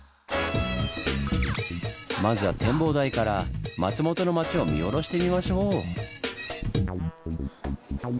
まずは展望台から松本の町を見下ろしてみましょう！